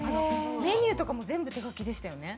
メニューとかも全部手書きでしたよね。